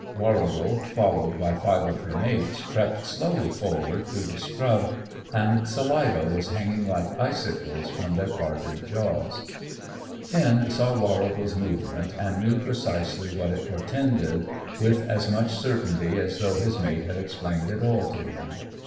Warrigal, followed by five of her mates, crept slowly forward through the scrub; and saliva was hanging like icicles from their parted jaws. Finn saw Warrigal's movement, and knew precisely what it portended with as much certainty as though his mate had explained it all to him.